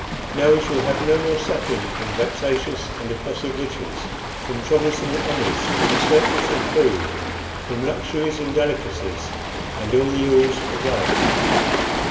Now we shall have no more suffering from vexatious and oppressive riches, from troublesome honors, from a surplus of food, from luxuries and delicacies, and all the ills of life."